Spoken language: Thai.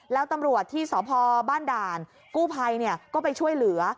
แล้วตำรวจที่สพบ้านด่านกู้ภัยก็ไปช่วยเหลือ